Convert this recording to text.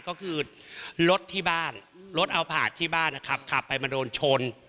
ก็คือรถที่บ้านรถเอาผ่านที่บ้านครับไปมันโดนชน